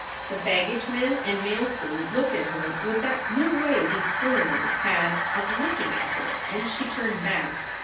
The baggage men and mail crew looked at her with that new way these foreigners had of looking at her, and she turned back.